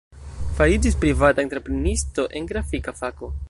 Fariĝis privata entreprenisto en grafika fako.